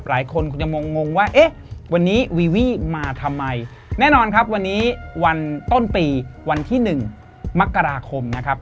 หลายคนคงจะงงงว่าเอ๊ะวันนี้วีวี่มาทำไมแน่นอนครับวันนี้วันต้นปีวันที่๑มกราคมนะครับ